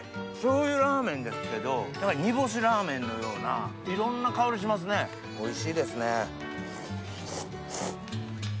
醤油ラーメンですけど何か煮干しラーメンのようないろんな香りしますねおいしいですね。